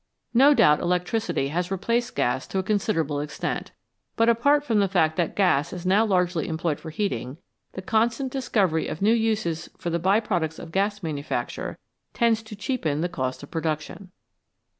No doubt electricity has replaced gas to a considerable extent, but apart from the fact that gas is now largely employed for heating, the constant discovery of new uses for the by products of gas manufacture tends to cheapen the cost of production.